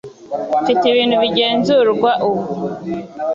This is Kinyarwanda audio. Mfite ibintu bigenzurwa ubu